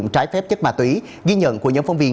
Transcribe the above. trái phép chất ma túy ghi nhận của nhóm phóng viên